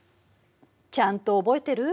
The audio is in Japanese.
ちゃんと覚えてる？